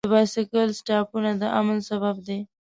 د بایسکل سټاپونه د امن سبب دی.